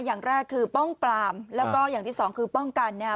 อย่างแรกคือป้องปลามแล้วก็อย่างที่สองคือป้องกันนะฮะ